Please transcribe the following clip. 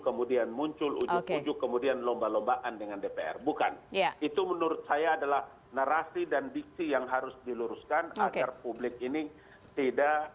kemudian muncul ujuk ujuk kemudian lomba lombaan dengan dpr bukan itu menurut saya adalah narasi dan diksi yang harus diluruskan agar publik ini tidak